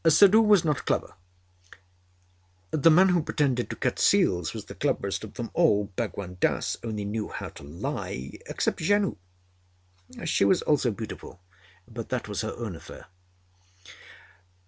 Suddhoo was not clever. The man who pretended to cut seals was the cleverest of them all Bhagwan Dass only knew how to lie except Janoo. She was also beautiful, but that was her own affair.